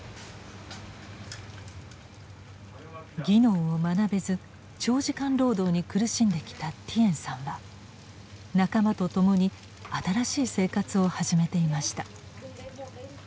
技能を学べず長時間労働に苦しんできたティエンさんは仲間と共に新しい生活を始めていました。